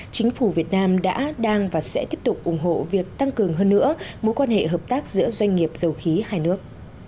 chính phủ việt nam đã đang và sẽ tiếp tục ủng hộ việc tăng cường hơn nữa mối quan hệ hợp tác giữa doanh nghiệp dầu khí hai nước